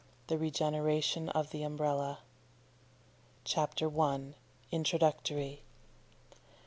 THE REGENERATION OF THE UMBRELLA CHAPTER I. INTRODUCTORY.